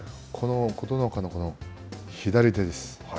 琴ノ若の左手です。